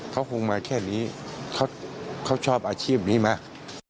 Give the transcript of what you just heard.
เขาคงมาแค่นี้เขาชอบอาชีพนี้มาก